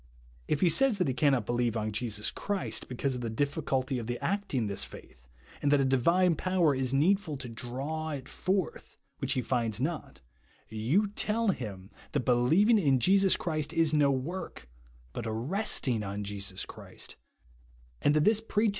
If he say that he can not believe on Jesus Christ, because of the difficulty of the acting this faith, and that a divine power is needful to draw it forth, which he finds not, you tell him that be lieving in Jesus Christ is no work, but a resting on Jesus Christ ; and that this pre 14 t THE WANT OF TOAVUR TO BELIEVE.